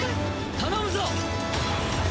頼むぞ！